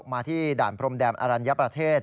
มาที่ด่านพรมแดนอรัญญประเทศ